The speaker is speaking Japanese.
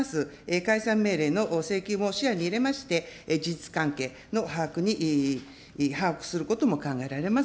解散命令の請求も視野に入れまして、事実関係の把握に、把握することも考えられます。